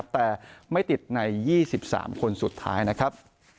แต่ไม่ติดใน๒๓คนสุดท้ายนะครับ